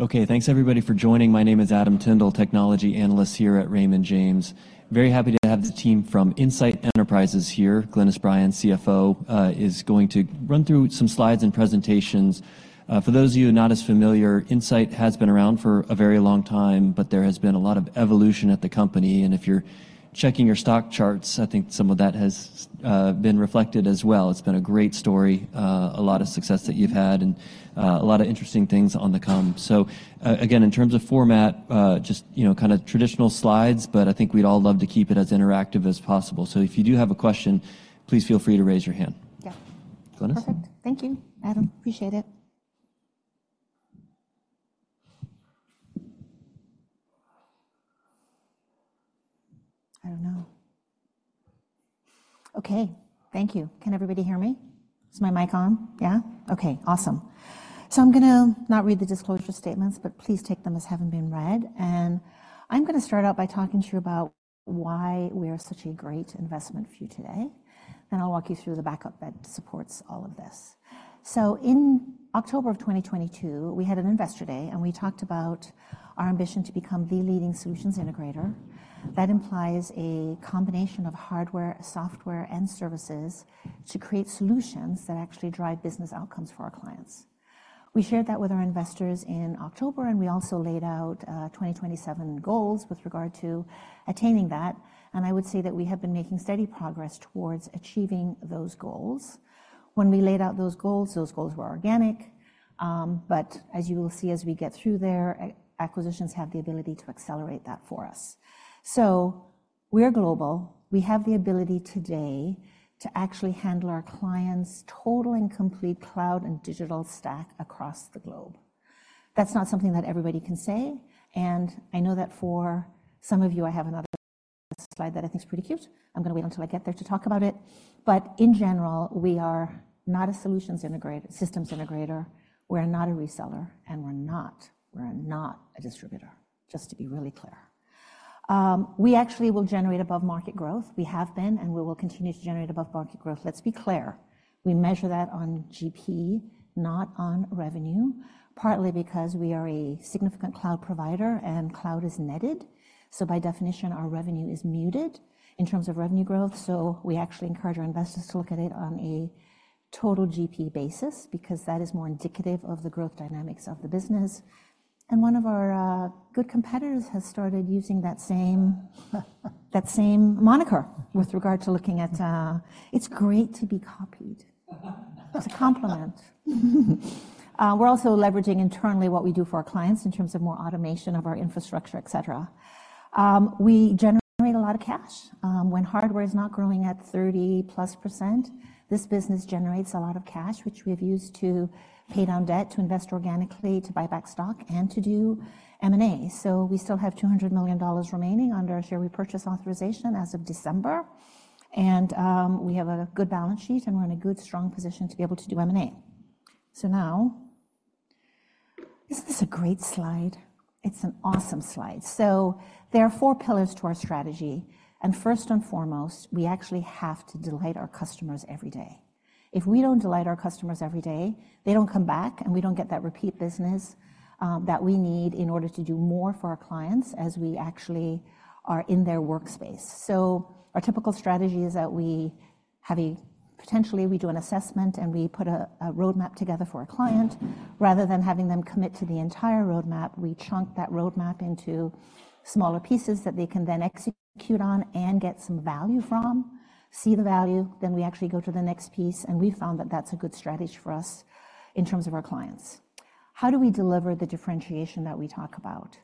Okay, thanks everybody for joining. My name is Adam Tindle, Technology Analyst here at Raymond James. Very happy to have the team from Insight Enterprises here. Glynis Bryan, CFO, is going to run through some slides and presentations. For those of you not as familiar, Insight has been around for a very long time, but there has been a lot of evolution at the company. And if you're checking your stock charts, I think some of that has been reflected as well. It's been a great story, a lot of success that you've had, and a lot of interesting things on the come. So again, in terms of format, just kind of traditional slides, but I think we'd all love to keep it as interactive as possible. So if you do have a question, please feel free to raise your hand. Yeah. Glynis? Perfect. Thank you, Adam. Appreciate it. I don't know. Okay. Thank you. Can everybody hear me? Is my mic on? Yeah? Okay. Awesome. I'm going to not read the disclosure statements, but please take them as having been read. I'm going to start out by talking to you about why we are such a great investment for you today. I'll walk you through the backup that supports all of this. In October of 2022, we had an Investor Day, and we talked about our ambition to become the leading solutions integrator. That implies a combination of hardware, software, and services to create solutions that actually drive business outcomes for our clients. We shared that with our investors in October, and we also laid out 2027 goals with regard to attaining that. I would say that we have been making steady progress towards achieving those goals. When we laid out those goals, those goals were organic. But as you will see as we get through there, acquisitions have the ability to accelerate that for us. So we're global. We have the ability today to actually handle our clients' total and complete cloud and digital stack across the globe. That's not something that everybody can say. And I know that for some of you, I have another slide that I think is pretty cute. I'm going to wait until I get there to talk about it. But in general, we are not a solutions integrator, systems integrator. We're not a reseller, and we're not. We're not a distributor, just to be really clear. We actually will generate above-market growth. We have been, and we will continue to generate above-market growth. Let's be clear. We measure that on GP, not on revenue, partly because we are a significant cloud provider and cloud is netted. By definition, our revenue is muted in terms of revenue growth. We actually encourage our investors to look at it on a total GP basis because that is more indicative of the growth dynamics of the business. One of our good competitors has started using that same moniker with regard to looking at it. It's great to be copied. It's a compliment. We're also leveraging internally what we do for our clients in terms of more automation of our infrastructure, etc. We generate a lot of cash. When hardware is not growing at 30%+, this business generates a lot of cash, which we have used to pay down debt, to invest organically, to buy back stock, and to do M&A. So we still have $200 million remaining under our share repurchase authorization as of December. We have a good balance sheet, and we're in a good, strong position to be able to do M&A. So now, isn't this a great slide? It's an awesome slide. So there are four pillars to our strategy. First and foremost, we actually have to delight our customers every day. If we don't delight our customers every day, they don't come back, and we don't get that repeat business that we need in order to do more for our clients as we actually are in their workspace. So our typical strategy is that we have a potentially we do an assessment and we put a roadmap together for a client. Rather than having them commit to the entire roadmap, we chunk that roadmap into smaller pieces that they can then execute on and get some value from, see the value, then we actually go to the next piece. We found that that's a good strategy for us in terms of our clients. How do we deliver the differentiation that we talk about?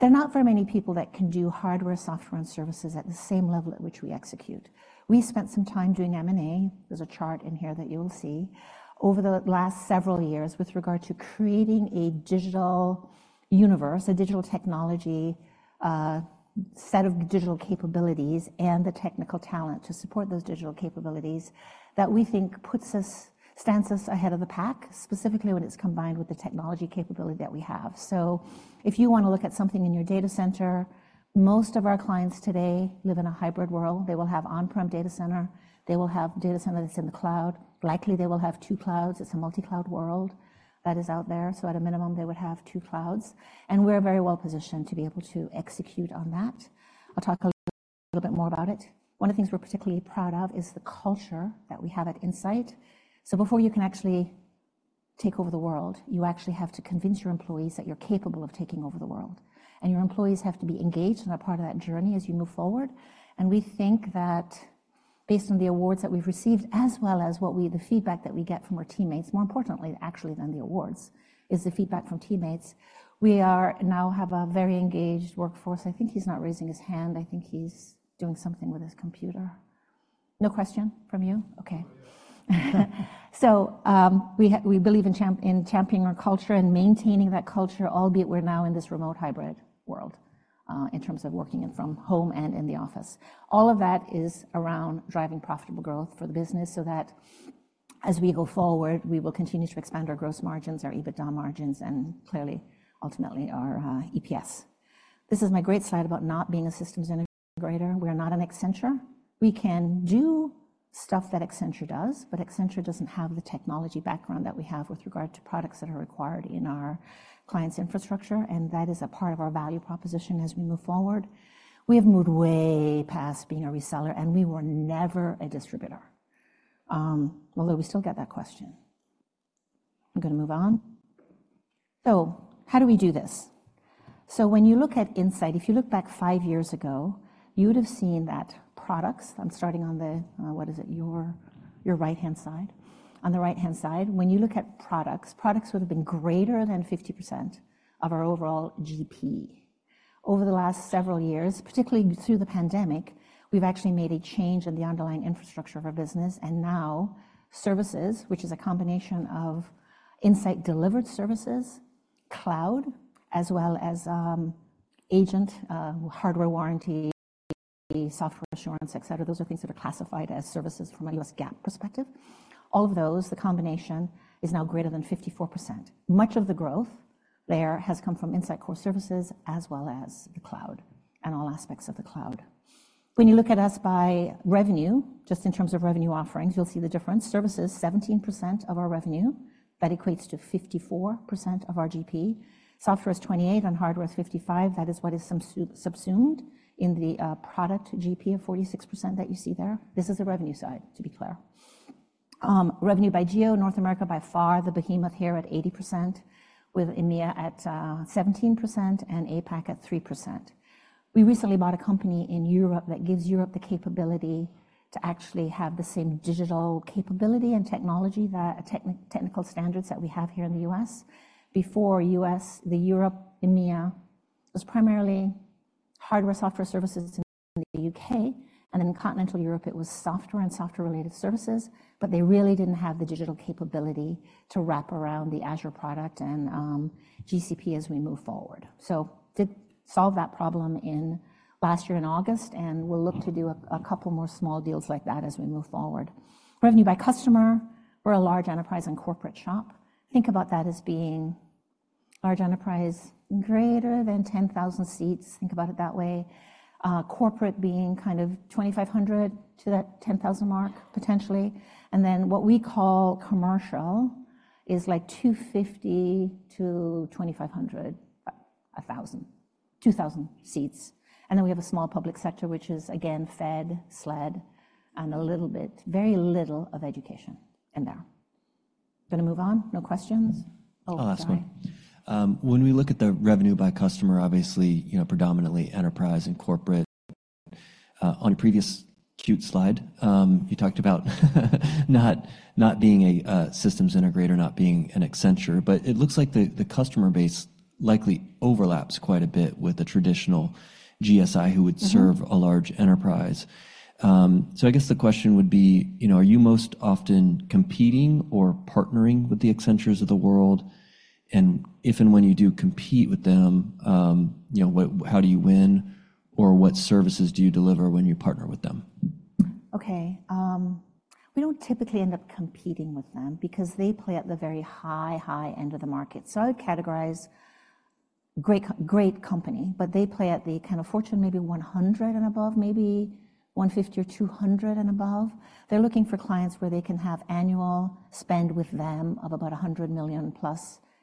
There are not very many people that can do hardware, software, and services at the same level at which we execute. We spent some time doing M&A. There's a chart in here that you will see. Over the last several years with regard to creating a digital universe, a digital technology set of digital capabilities and the technical talent to support those digital capabilities that we think puts us stands us ahead of the pack, specifically when it's combined with the technology capability that we have. So if you want to look at something in your data center, most of our clients today live in a hybrid world. They will have on-prem data center. They will have data center that's in the cloud. Likely they will have two clouds. It's a multi-cloud world that is out there. So at a minimum, they would have two clouds. And we're very well-positioned to be able to execute on that. I'll talk a little bit more about it. One of the things we're particularly proud of is the culture that we have at Insight. So before you can actually take over the world, you actually have to convince your employees that you're capable of taking over the world. And your employees have to be engaged and a part of that journey as you move forward. We think that based on the awards that we've received as well as the feedback that we get from our teammates, more importantly, actually than the awards, is the feedback from teammates. We now have a very engaged workforce. I think he's not raising his hand. I think he's doing something with his computer. No question from you? Okay. We believe in championing our culture and maintaining that culture, albeit we're now in this remote hybrid world in terms of working from home and in the office. All of that is around driving profitable growth for the business so that as we go forward, we will continue to expand our gross margins, our EBITDA margins, and clearly ultimately our EPS. This is my great slide about not being a systems integrator. We are not an Accenture. We can do stuff that Accenture does, but Accenture doesn't have the technology background that we have with regard to products that are required in our clients' infrastructure, and that is a part of our value proposition as we move forward. We have moved way past being a reseller, and we were never a distributor. Although we still get that question. I'm going to move on. So how do we do this? So when you look at Insight, if you look back five years ago, you would have seen that products on the right-hand side. On the right-hand side, when you look at products, products would have been greater than 50% of our overall GP. Over the last several years, particularly through the pandemic, we've actually made a change in the underlying infrastructure of our business, and now services, which is a combination of Insight delivered services, cloud, as well as agent hardware warranty, software assurance, etc. Those are things that are classified as services from a U.S. GAAP perspective. All of those, the combination is now greater than 54%. Much of the growth there has come from InsightCore Services as well as the cloud and all aspects of the cloud. When you look at us by revenue, just in terms of revenue offerings, you'll see the difference. Services, 17% of our revenue. That equates to 54% of our GP. Software is 28% and hardware is 55%. That is what is subsumed in the product GP of 46% that you see there. This is the revenue side, to be clear. Revenue by geo, North America by far, the behemoth here at 80% with EMEA at 17% and APAC at 3%. We recently bought a company in Europe that gives Europe the capability to actually have the same digital capability and technology that technical standards that we have here in the U.S. Before U.S., the Europe EMEA was primarily hardware, software services in the U.K., and then in continental Europe, it was software and software-related services, but they really didn't have the digital capability to wrap around the Azure product and GCP as we move forward. So did solve that problem last year in August, and we'll look to do a couple more small deals like that as we move forward. Revenue by customer, we're a large enterprise and corporate shop. Think about that as being large enterprise, greater than 10,000 seats. Think about it that way. Corporate being kind of 2,500 to that 10,000 mark, potentially. And then what we call commercial is like 250-2,500, 1,000, 2,000 seats. And then we have a small public sector, which is again FED, SLED, and a little bit, very little of education in there. Going to move on? No questions? Oh, sorry. I'll ask one. When we look at the revenue by customer, obviously, predominantly enterprise and corporate. On your previous cute slide, you talked about not being a systems integrator, not being an Accenture, but it looks like the customer base likely overlaps quite a bit with the traditional GSI who would serve a large enterprise. So I guess the question would be, are you most often competing or partnering with the Accentures of the world? And if and when you do compete with them, how do you win or what services do you deliver when you partner with them? Okay. We don't typically end up competing with them because they play at the very high, high end of the market. So I would categorize great, great company, but they play at the kind of Fortune 100 and above, maybe 150 or 200 and above. They're looking for clients where they can have annual spend with them of about $100+ million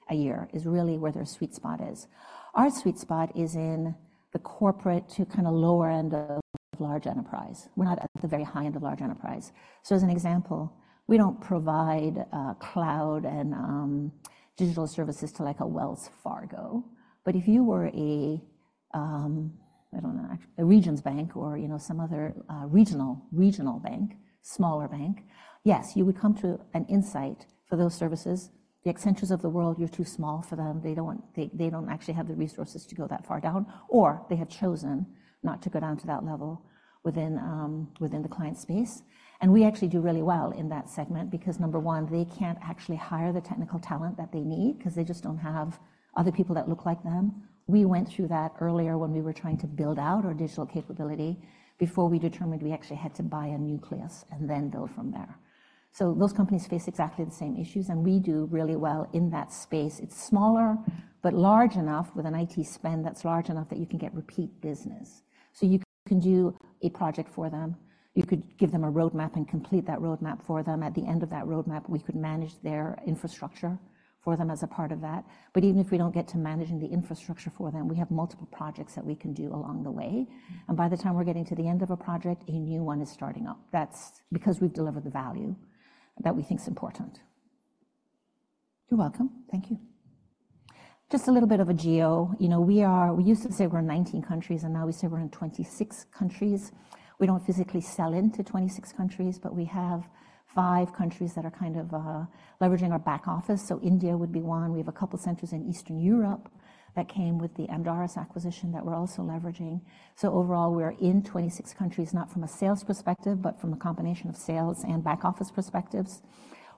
a year is really where their sweet spot is. Our sweet spot is in the mid-corporate to kind of lower end of large enterprise. We're not at the very high end of large enterprise. So as an example, we don't provide cloud and digital services to like a Wells Fargo. But if you were a I don't know, a Regions Bank or some other regional, regional bank, smaller bank, yes, you would come to an Insight for those services. The Accentures of the world, you're too small for them. They don't actually have the resources to go that far down, or they have chosen not to go down to that level within the client space. We actually do really well in that segment because number one, they can't actually hire the technical talent that they need because they just don't have other people that look like them. We went through that earlier when we were trying to build out our digital capability before we determined we actually had to buy a nucleus and then build from there. Those companies face exactly the same issues, and we do really well in that space. It's smaller but large enough with an IT spend that's large enough that you can get repeat business. You can do a project for them. You could give them a roadmap and complete that roadmap for them. At the end of that roadmap, we could manage their infrastructure for them as a part of that. But even if we don't get to managing the infrastructure for them, we have multiple projects that we can do along the way. And by the time we're getting to the end of a project, a new one is starting up. That's because we've delivered the value that we think is important. You're welcome. Thank you. Just a little bit of a geo. We used to say we're in 19 countries, and now we say we're in 26 countries. We don't physically sell into 26 countries, but we have 5 countries that are kind of leveraging our back office. So India would be one. We have a couple of centers in Eastern Europe that came with the Amdaris acquisition that we're also leveraging. So overall, we're in 26 countries, not from a sales perspective, but from a combination of sales and back office perspectives.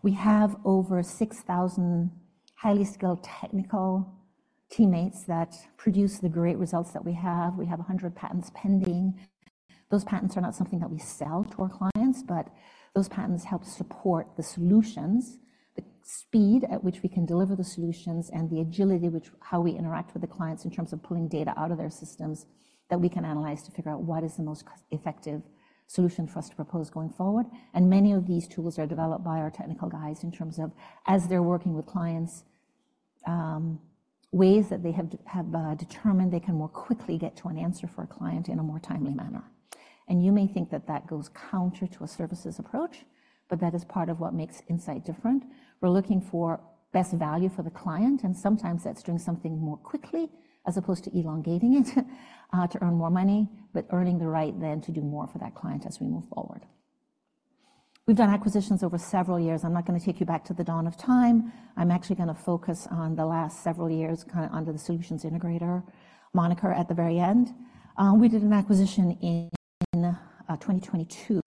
We have over 6,000 highly skilled technical teammates that produce the great results that we have. We have 100 patents pending. Those patents are not something that we sell to our clients, but those patents help support the solutions, the speed at which we can deliver the solutions, and the agility, which how we interact with the clients in terms of pulling data out of their systems that we can analyze to figure out what is the most effective solution for us to propose going forward. And many of these tools are developed by our technical guys in terms of as they're working with clients, ways that they have determined they can more quickly get to an answer for a client in a more timely manner. And you may think that that goes counter to a services approach, but that is part of what makes Insight different. We're looking for best value for the client, and sometimes that's doing something more quickly as opposed to elongating it to earn more money, but earning the right then to do more for that client as we move forward. We've done acquisitions over several years. I'm not going to take you back to the dawn of time. I'm actually going to focus on the last several years kind of under the solutions integrator moniker at the very end. We did an acquisition in 2022,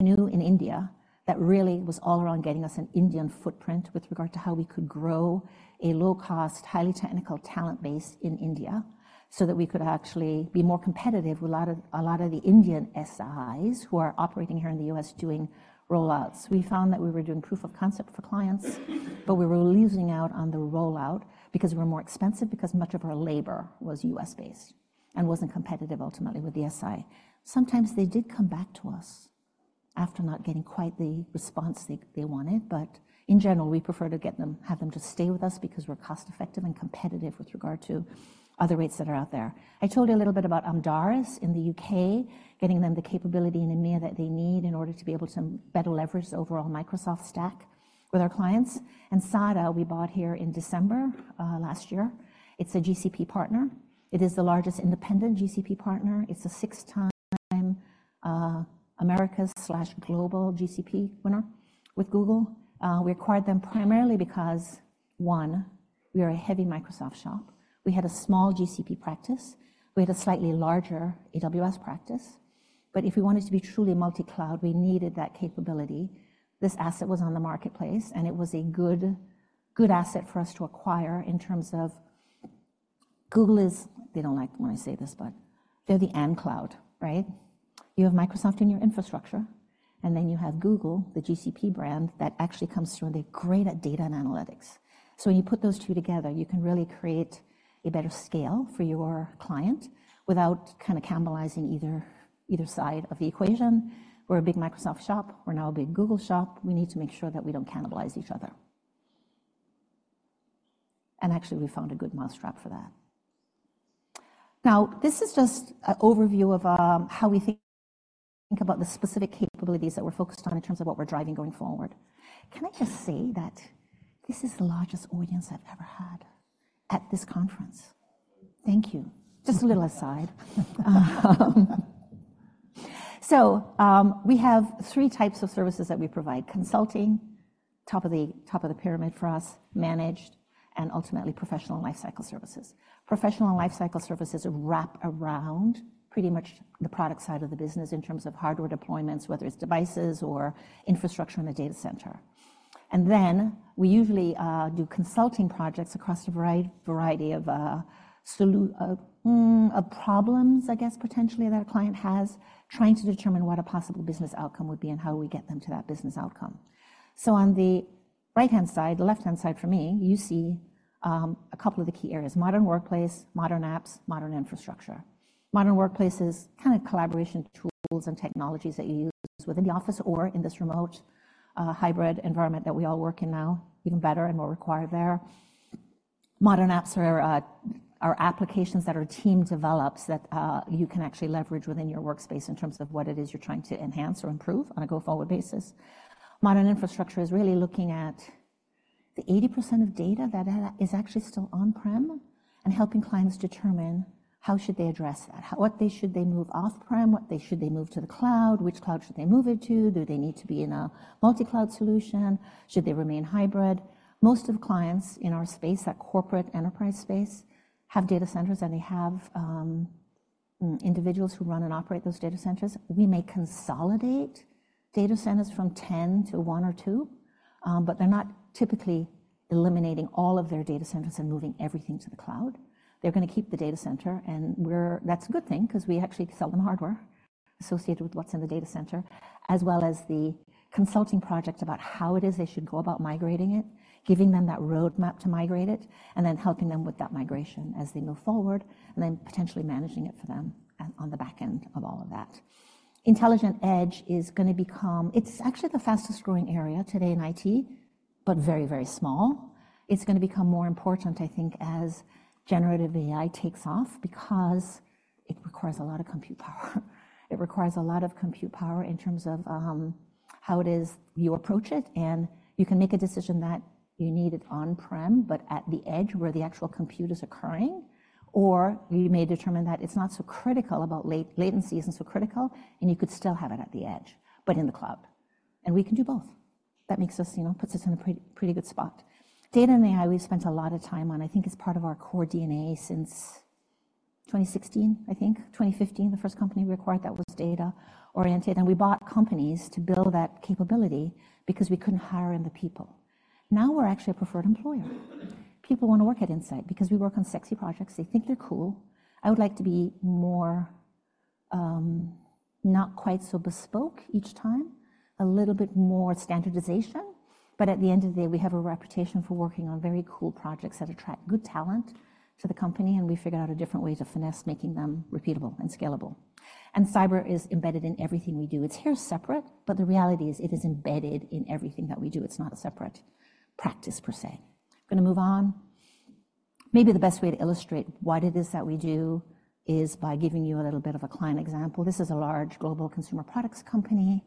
Hanu in India, that really was all around getting us an Indian footprint with regard to how we could grow a low-cost, highly technical talent base in India so that we could actually be more competitive with a lot of the Indian SIs who are operating here in the U.S. doing rollouts. We found that we were doing proof of concept for clients, but we were losing out on the rollout because we were more expensive because much of our labor was U.S.-based and wasn't competitive ultimately with the SI. Sometimes they did come back to us after not getting quite the response they wanted, but in general, we prefer to get them, have them just stay with us because we're cost-effective and competitive with regard to other rates that are out there. I told you a little bit about Amdaris in the U.K., getting them the capability in EMEA that they need in order to be able to better leverage the overall Microsoft stack with our clients. And SADA, we bought here in December last year. It's a GCP partner. It is the largest independent GCP partner. It's a six-time America slash global GCP winner with Google. We acquired them primarily because, one, we are a heavy Microsoft shop. We had a small GCP practice. We had a slightly larger AWS practice. But if we wanted to be truly multi-cloud, we needed that capability. This asset was on the marketplace, and it was a good asset for us to acquire in terms of Google is they don't like when I say this, but they're the end cloud, right? You have Microsoft in your infrastructure, and then you have Google, the GCP brand that actually comes through and they're great at data and analytics. So when you put those two together, you can really create a better scale for your client without kind of cannibalizing either side of the equation. We're a big Microsoft shop. We're now a big Google shop. We need to make sure that we don't cannibalize each other. And actually, we found a good mousetrap for that. Now, this is just an overview of how we think about the specific capabilities that we're focused on in terms of what we're driving going forward. Can I just say that this is the largest audience I've ever had at this conference? Thank you. Just a little side. So we have three types of services that we provide: consulting, top of the pyramid for us, managed, and ultimately professional lifecycle services. Professional lifecycle services wrap around pretty much the product side of the business in terms of hardware deployments, whether it's devices or infrastructure in the data center. And then we usually do consulting projects across a variety of problems, I guess, potentially that a client has, trying to determine what a possible business outcome would be and how do we get them to that business outcome. So on the right-hand side, the left-hand side for me, you see a couple of the key areas: Modern Workplace, Modern Apps, Modern Infrastructure. Modern Workplace is kind of collaboration tools and technologies that you use within the office or in this remote hybrid environment that we all work in now, even better and more required there. Modern Apps are applications that our team develops that you can actually leverage within your workspace in terms of what it is you're trying to enhance or improve on a go forward basis. Modern Infrastructure is really looking at the 80% of data that is actually still on-prem and helping clients determine how should they address that, what should they move off-prem, what should they move to the cloud, which cloud should they move it to? Do they need to be in a multi-cloud solution? Should they remain hybrid? Most of the clients in our space, that corporate enterprise space, have data centers and they have individuals who run and operate those data centers. We may consolidate data centers from 10 to 1 or 2, but they're not typically eliminating all of their data centers and moving everything to the cloud. They're going to keep the data center, and we're, that's a good thing because we actually sell them hardware associated with what's in the data center, as well as the consulting project about how it is they should go about migrating it, giving them that roadmap to migrate it, and then helping them with that migration as they move forward and then potentially managing it for them on the back end of all of that. Intelligent Edge is going to become. It's actually the fastest growing area today in IT, but very, very small. It's going to become more important, I think, as Generative AI takes off because it requires a lot of compute power. It requires a lot of compute power in terms of how it is you approach it, and you can make a decision that you need it on-prem, but at the edge where the actual compute is occurring, or you may determine that it's not so critical about latencies and so critical, and you could still have it at the edge, but in the cloud. And we can do both. That makes us, you know, puts us in a pretty good spot. Data and AI, we've spent a lot of time on. I think it's part of our core DNA since 2016, I think, 2015, the first company we acquired that was data-oriented. And we bought companies to build that capability because we couldn't hire in the people. Now we're actually a preferred employer. People want to work at Insight because we work on sexy projects. They think they're cool. I would like to be more not quite so bespoke each time, a little bit more standardization, but at the end of the day, we have a reputation for working on very cool projects that attract good talent to the company and we figured out a different way to finesse making them repeatable and scalable. Cyber is embedded in everything we do. It's here separate, but the reality is it is embedded in everything that we do. It's not a separate practice per se. Going to move on. Maybe the best way to illustrate what it is that we do is by giving you a little bit of a client example. This is a large global consumer products company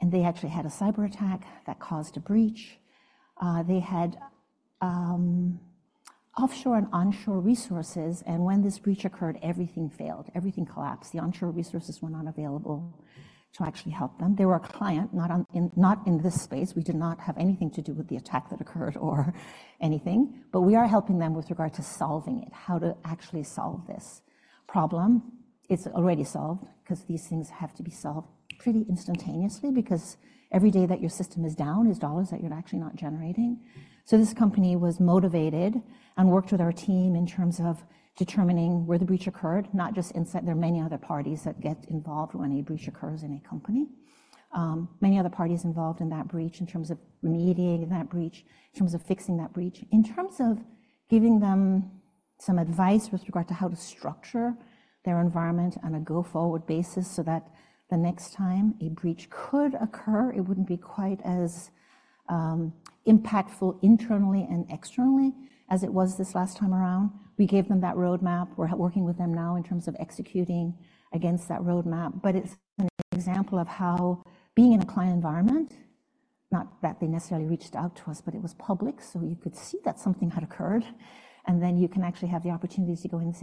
and they actually had a cyber attack that caused a breach. They had offshore and onshore resources and when this breach occurred, everything failed, everything collapsed. The onshore resources were not available to actually help them. They were a client, not in this space. We did not have anything to do with the attack that occurred or anything, but we are helping them with regard to solving it, how to actually solve this problem. It's already solved because these things have to be solved pretty instantaneously because every day that your system is down is dollars that you're actually not generating. So this company was motivated and worked with our team in terms of determining where the breach occurred, not just Insight. There are many other parties that get involved when a breach occurs in a company. Many other parties involved in that breach in terms of remediating that breach, in terms of fixing that breach, in terms of giving them some advice with regard to how to structure their environment on a go forward basis so that the next time a breach could occur, it wouldn't be quite as impactful internally and externally as it was this last time around. We gave them that roadmap. We're working with them now in terms of executing against that roadmap, but it's an example of how being in a client environment, not that they necessarily reached out to us, but it was public so you could see that something had occurred and then you can actually have the opportunities to go in and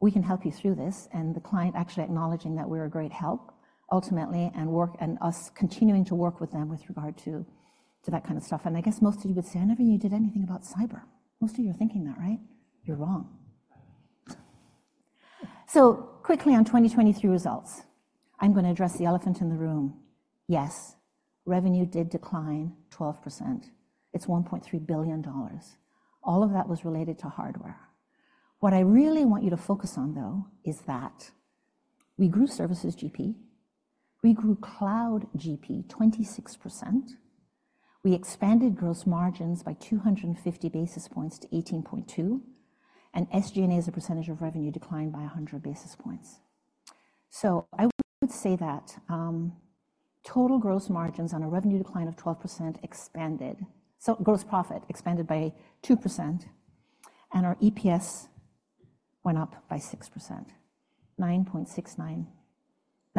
say, hey, we can help you through this, and the client actually acknowledging that we're a great help ultimately and work and us continuing to work with them with regard to that kind of stuff. I guess most of you would say, I never knew you did anything about cyber. Most of you are thinking that, right? You're wrong. Quickly on 2023 results. I'm going to address the elephant in the room. Yes, revenue did decline 12%. It's $1.3 billion. All of that was related to hardware. What I really want you to focus on, though, is that we grew services GP. We grew cloud GP 26%. We expanded gross margins by 250 basis points to 18.2%, and SG&A as a percentage of revenue declined by 100 basis points. So I would say that total gross margins on a revenue decline of 12% expanded, so gross profit expanded by 2%, and our EPS went up by 6%, $9.69.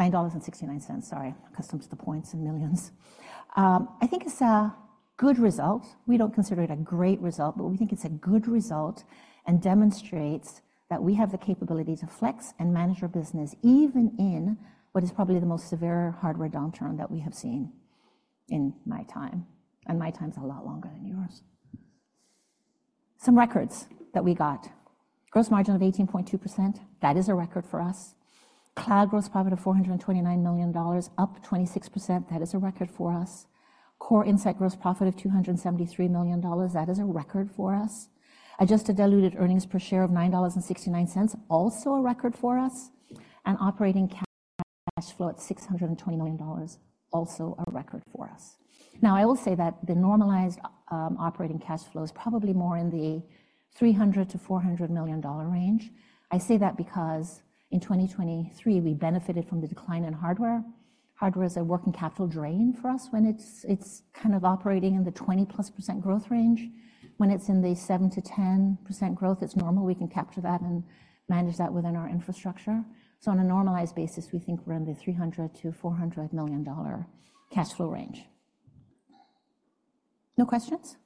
$9.69, sorry, accustomed to the points and millions. I think it's a good result. We don't consider it a great result, but we think it's a good result and demonstrates that we have the capability to flex and manage our business even in what is probably the most severe hardware downturn that we have seen in my time, and my time is a lot longer than yours. Some records that we got. Gross margin of 18.2%. That is a record for us. Cloud gross profit of $429 million, up 26%. That is a record for us. Core Insight gross profit of $273 million. That is a record for us. Adjusted diluted earnings per share of $9.69, also a record for us, and operating cash flow at $620 million, also a record for us. Now, I will say that the normalized operating cash flow is probably more in the $300 million-$400 million range. I say that because in 2023, we benefited from the decline in hardware. Hardware is a working capital drain for us when it's kind of operating in the 20%+ growth range. When it's in the 7%-10% growth, it's normal. We can capture that and manage that within our infrastructure. So on a normalized basis, we think we're in the $300 million-$400 million cash flow range. No questions?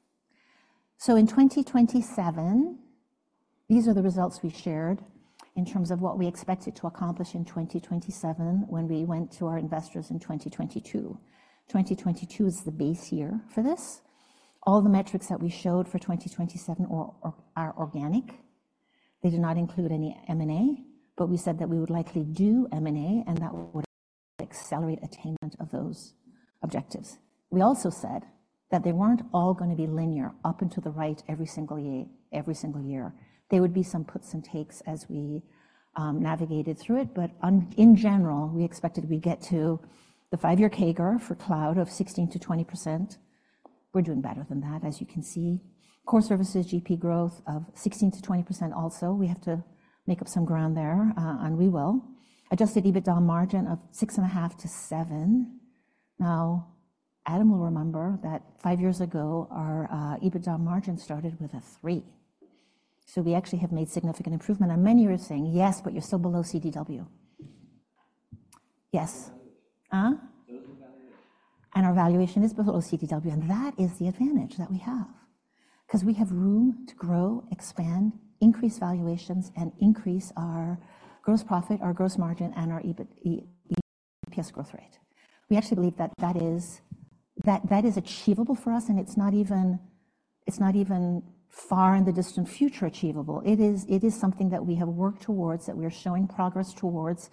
In 2027, these are the results we shared in terms of what we expected to accomplish in 2027 when we went to our investors in 2022. 2022 is the base year for this. All the metrics that we showed for 2027 are organic. They did not include any M&A, but we said that we would likely do M&A and that would accelerate attainment of those objectives. We also said that they weren't all going to be linear up and to the right every single year. They would be some puts and takes as we navigated through it, but in general, we expected we'd get to the five-year CAGR for cloud of 16%-20%. We're doing better than that, as you can see. Core Services GP growth of 16%-20% also. We have to make up some ground there, and we will. Adjusted EBITDA margin of 6.5%-7%. Now, Adam will remember that five years ago, our EBITDA margin started with a 3%. So we actually have made significant improvement. And many are saying, yes, but you're still below CDW. Yes. Huh? And our valuation is below CDW, and that is the advantage that we have. Because we have room to grow, expand, increase valuations, and increase our gross profit, our gross margin, and our EPS growth rate. We actually believe that that is achievable for us, and it's not even far in the distant future achievable. It is something that we have worked towards, that we are showing progress towards,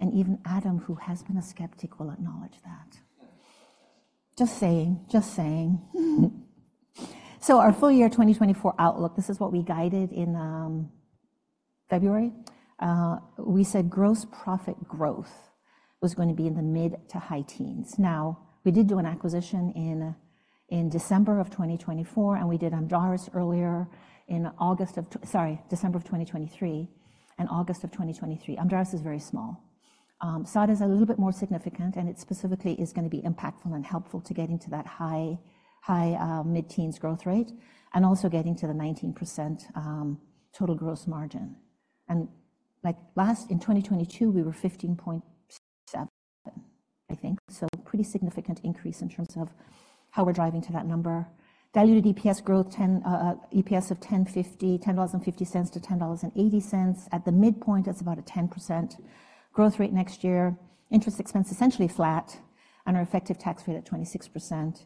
and even Adam, who has been a skeptic, will acknowledge that. Just saying, just saying. So our full year 2024 outlook, this is what we guided in February. We said gross profit growth was going to be in the mid to high-teens. Now, we did do an acquisition in December of 2024, and we did Amdaris earlier in August of, sorry, December of 2023 and August of 2023. Amdaris is very small. SADA is a little bit more significant, and it specifically is going to be impactful and helpful to getting to that high mid-teens growth rate and also getting to the 19% total gross margin. And like last in 2022, we were 15.7, I think, so pretty significant increase in terms of how we're driving to that number. Diluted EPS growth, EPS of $10.50-$10.80. At the midpoint, that's about a 10% growth rate next year. Interest expense essentially flat and our effective tax rate at 26%.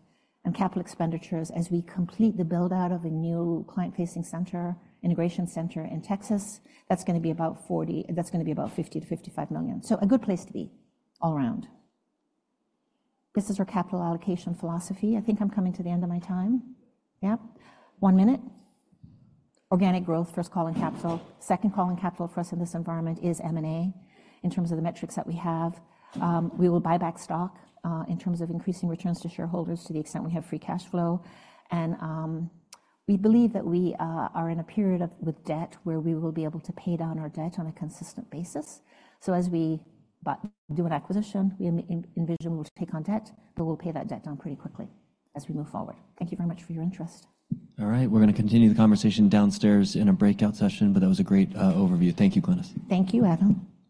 Capital expenditures, as we complete the build-out of a new client-facing center, integration center in Texas, that's going to be about 40, that's going to be about $50 million-$55 million. So a good place to be all around. This is our capital allocation philosophy. I think I'm coming to the end of my time. Yep. One minute. Organic growth, first calling capital. Second calling capital for us in this environment is M&A in terms of the metrics that we have. We will buy back stock in terms of increasing returns to shareholders to the extent we have free cash flow. And we believe that we are in a period with debt where we will be able to pay down our debt on a consistent basis. So as we do an acquisition, we envision we'll take on debt, but we'll pay that debt down pretty quickly as we move forward. Thank you very much for your interest. All right. We're going to continue the conversation downstairs in a breakout session, but that was a great overview. Thank you, Glynis. Thank you, Adam.